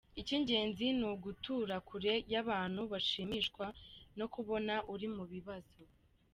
Icy’ingenzi ni ugutura kure y’abantu bashimishwa no kukubona uri mu bibazo.